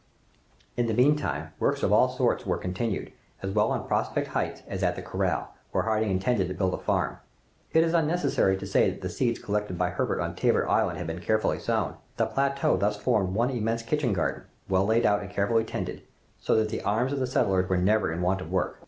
In the meanwhile, works of all sorts were continued, as well on Prospect Heights as at the corral, where Harding intended to build a farm. It is unnecessary to say that the seeds collected by Herbert on Tabor Island had been carefully sown. The plateau thus formed one immense kitchen garden, well laid out and carefully tended, so that the arms of the settlers were never in want of work.